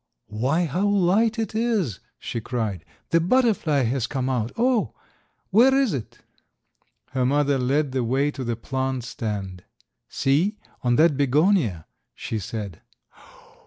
"Why how light it is!" she cried. "The butterfly has come out, oh! where is it?" Her mother led the way to the plant stand. "See, on that begonia," she said.